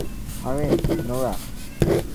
আরে, নোরাহ।